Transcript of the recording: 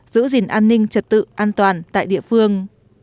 giữ gìn an ninh trật tự an toàn tại địa phương